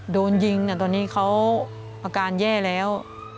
โดนยิงตอนนี้เขาอาการแย่แล้ว